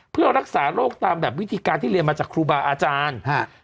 เพื่อรักษาโรคตามแบบวิธีการที่เรียนมาจากครูบาอาจารย์ฮะ